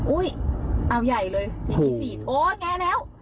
อุ้ยเอาใหญ่เลยที่มีสี่โอ้โหแงะแล้ว